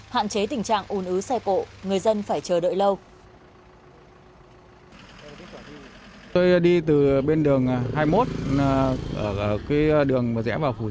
hạn chế tình trạng ủn ứ xe cộ người dân phải chờ đợi lâu